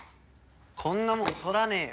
こんなもん取らねえよ。